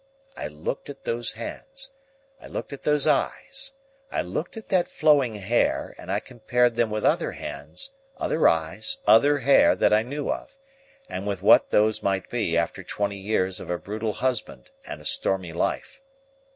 I looked at those hands, I looked at those eyes, I looked at that flowing hair; and I compared them with other hands, other eyes, other hair, that I knew of, and with what those might be after twenty years of a brutal husband and a stormy life.